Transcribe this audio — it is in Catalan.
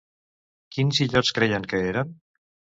Quins illots creien que eren?